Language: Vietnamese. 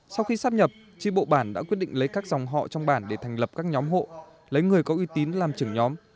sau khi sắp nhập tri bộ bản đã quyết định lấy các dòng họ trong bản để thành lập các nhóm hộ lấy người có uy tín làm trưởng nhóm